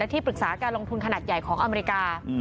ที่ปรึกษาการลงทุนขนาดใหญ่ของอเมริกา